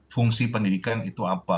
fungsi pendidikan itu apa